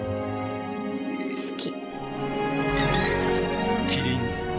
好き。